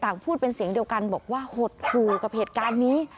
พูดเป็นเสียงเดียวกันบอกว่าหดหู่กับเหตุการณ์นี้